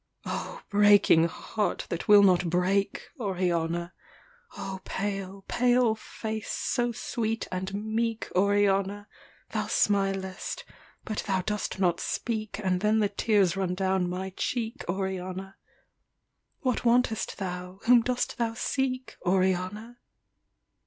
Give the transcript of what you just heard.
O breaking heart that will not break, Oriana! O pale, pale face so sweet and meek, Oriana! Thou smilest, but thou dost not speak, And then the tears run down my cheek, Oriana: What wantest thou? whom dost thou seek, Oriana?